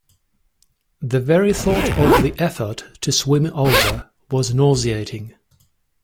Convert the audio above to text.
The very thought of the effort to swim over was nauseating.